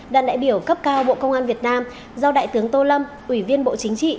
đoàn đại biểu cấp cao bộ công an việt nam do đại tướng tô lâm ủy viên bộ chính trị